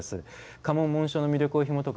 家紋・紋章の魅力をひもとく